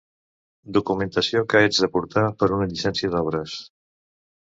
Documentació que haig de portar per una llicència d'obres.